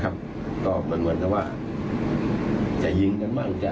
และก็ไม่ได้ยัดเยียดให้ทางครูส้มเซ็นสัญญา